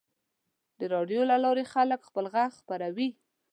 د راډیو له لارې خلک خپل غږ خپروي.